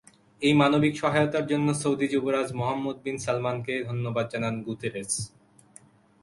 এই মানবিক সহায়তার জন্য সৌদি যুবরাজ মোহাম্মদ বিন সালমানকে ধন্যবাদ জানান গুতেরেস।